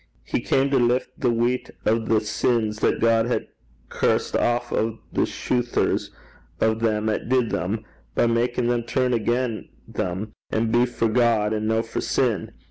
He cam to lift the weicht o' the sins that God had curst aff o' the shoothers o' them 'at did them, by makin' them turn agen them, an' be for God an' no for sin.